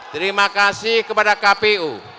terima kasih kepada kpu